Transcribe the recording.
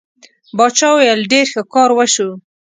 باچا وویل ډېر ښه کار وشو.